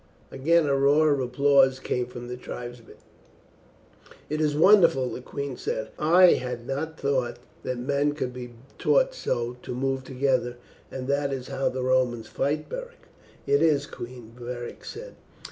Again a roar of applause came from the tribesmen. "It is wonderful," the queen said. "I had not thought that men could be taught so to move together; and that is how the Romans fight, Beric?" "It is, queen," Beric said.